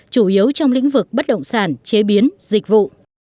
chủ yếu trong lĩnh vực bất động sản chế biến dịch vụ